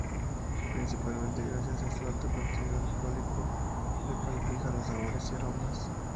Principalmente gracias a su alto contenido alcohólico, el cual fija los sabores y aromas.